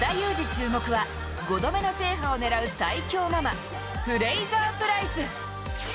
注目は５度目の制覇を狙う最強ママ、フレイザー・プライス。